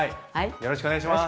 よろしくお願いします。